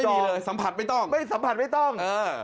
ดีเลยสัมผัสไม่ต้องไม่สัมผัสไม่ต้อง